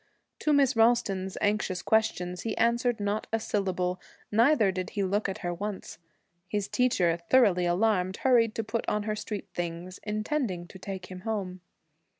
To Miss Ralston's anxious questions he answered not a syllable, neither did he look at her once. His teacher, thoroughly alarmed, hurriedly put on her street things, intending to take him home.